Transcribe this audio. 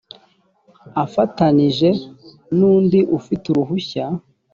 afatanyije n’ undi ufite uruhushya